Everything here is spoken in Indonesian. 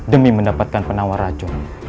demi mendapatkan penawar rajon